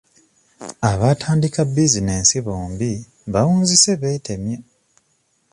Abaatandika bizinensi bombi baawunzise beetemye.